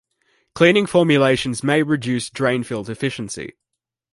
Cleaning formulations may reduce drain field efficiency.